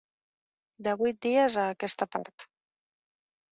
De vuit dies a aquesta part.